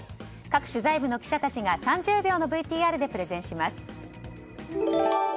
各取材部の記者たちが３０秒のＶＴＲでプレゼンします。